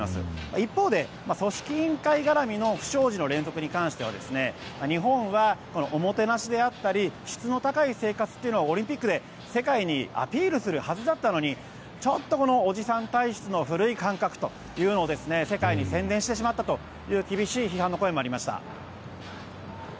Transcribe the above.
一方で組織委員会がらみの不祥事の連続に関しては日本はおもてなしであったり質の高い生活をオリンピックで世界にアピールするはずだったのにちょっと、おじさん体質の古い感覚というのを世界に宣伝してしまったという厳しい批判の声もありました。